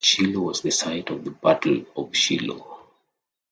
Shiloh was the site of the Battle of Shiloh.